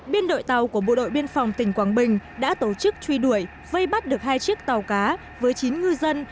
biên đội tàu của bộ đội biên phòng tỉnh quảng bình đã tổ chức truy đuổi vây bắt được hai chiếc tàu cá với chín ngư dân